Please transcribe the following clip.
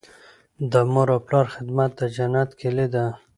د مور او پلار خدمت د جنت کیلي ده.